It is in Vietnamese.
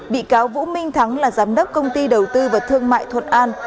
bị cáo vũ minh thắng là giám đốc công ty đầu tư và thương mại thuận an